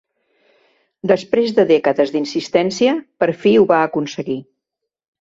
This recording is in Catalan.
Després de dècades d'insistència, per fi ho va aconseguir.